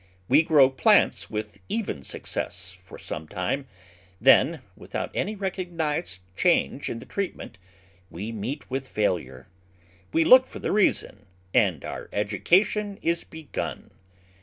We grow plants with even success for some time, then, without any recognised change in the treatment, we meet with failure. We look for the reason, and our education is begun.